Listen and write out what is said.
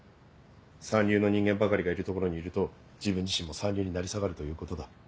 三流の人間ばかりがいる所にいると自分自身も三流に成り下がるということだ。